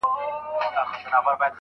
چي هوښيار دي نن سبا ورنه كوچېږي